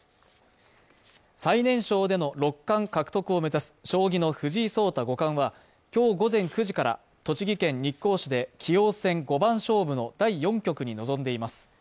最年少での六冠獲得を目指す将棋の藤井聡太五冠は今日午前９時から栃木県日光市で棋王戦五番勝負の第４局に臨んでいます。